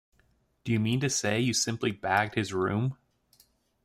Do you mean to say you simply bagged his room?